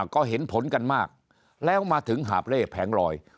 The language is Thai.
ก็เห็นผลกันมากแล้วมาถึงหาบเล่แผงลอย